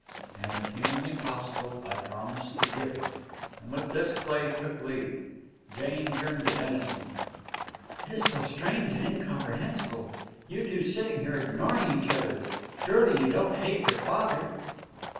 "And if humanly possible I promise to give it," and with this Cleigh took leave. Jane turned to Dennison. "It is so strange and incomprehensible! You two sitting here and ignoring each other! Surely you don't hate your father?"